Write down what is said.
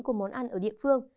của món ăn ở địa phương